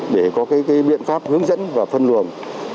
để có biện pháp hướng dẫn và phân luồng